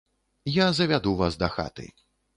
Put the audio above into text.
Я завяду вас дахаты.